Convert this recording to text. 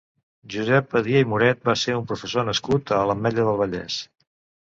Josep Badia i Moret va ser un professor nascut a l'Ametlla del Vallès.